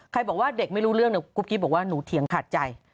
บอกว่าเด็กไม่รู้เรื่องเนี่ยกุ๊กกิ๊บบอกว่าหนูเถียงขาดใจ